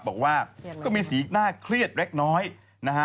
บอกว่าก็มีสีหน้าเครียดเล็กน้อยนะฮะ